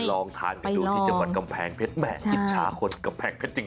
ลองทานกันดูที่จังหวัดกำแพงเพชรแม่อิจฉาคนกำแพงเพชรจริง